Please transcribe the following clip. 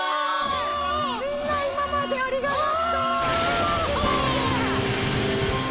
みんな今までありが納豆！